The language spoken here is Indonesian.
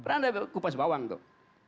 anda kupas bawang tuh